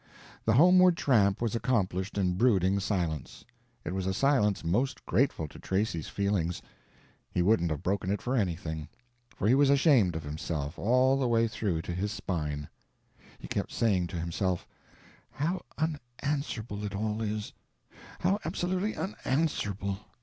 The homeward tramp was accomplished in brooding silence. It was a silence most grateful to Tracy's feelings. He wouldn't have broken it for anything; for he was ashamed of himself all the way through to his spine. He kept saying to himself: "How unanswerable it all is—how absolutely unanswerable!